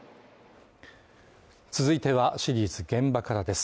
続いては、シリーズ「現場から」です